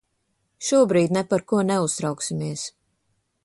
Šobrīd ne par ko neuztrauksimies.